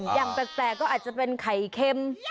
อย่างแปลกก็อาจจะเป็นไข่เค็ม